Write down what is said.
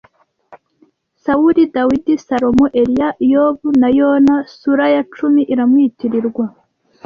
Sawuli, Dawidi, Salomo, Eliya, Yobu na Yona (sura ya cumi iramwitirirwa)